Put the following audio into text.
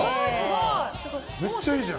めっちゃいいじゃん。